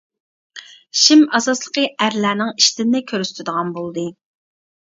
شىم ئاساسلىقى ئەرلەرنىڭ ئىشتىنىنى كۆرسىتىدىغان بولدى.